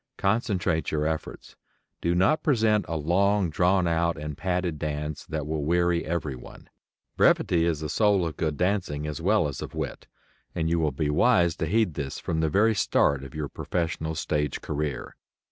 Concentrate your efforts. Do not present a long drawn out and padded dance that will weary everyone. Brevity is the soul of good dancing as well as of wit, and you will be wise to heed this from the very start of your professional stage career.